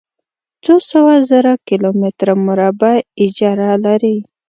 څو سوه زره کلومتره مربع اېجره لري.